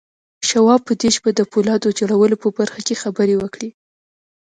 شواب په دې شپه د پولاد جوړولو په برخه کې خبرې وکړې.